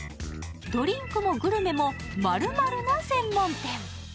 ドリンクもグルメも○○な専門店。